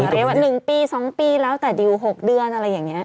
เรียกว่า๑ปี๒ปีแล้วแต่ดิว๖เดือนอะไรอย่างนี้